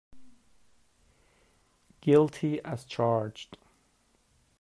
Guilty as charged.